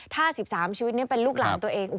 ถ้า๑๓ชีวิตนี้เป็นลูกหลานตัวเอง